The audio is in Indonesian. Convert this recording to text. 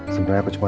sebenernya aku cuman